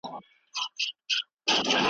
د طلا به دوه خورجینه درکړم تاته .